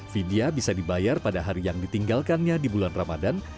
vidya bisa dibayar pada hari yang ditinggalkannya di bulan ramadan